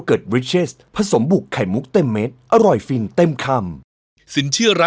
กำนันถึกมีเมียน้อยหรอ